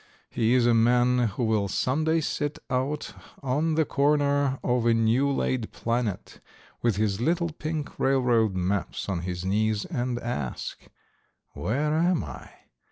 He is a man who will some day sit out on the corner of a new laid planet with his little pink railroad maps on his knees and ask, "Where am I?"